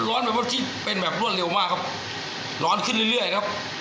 ร้อนแบบว่าที่เป็นแบบรวดเร็วมากครับร้อนขึ้นเรื่อยเรื่อยครับ